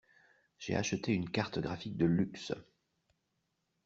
J'ai acheté une carte graphique de luxe.